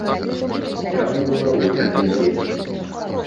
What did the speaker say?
Справа была ў выхадны дзень.